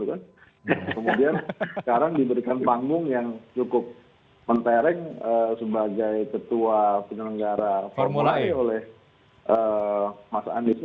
kemudian sekarang diberikan panggung yang cukup mentereng sebagai ketua penyelenggara formula e oleh mas anies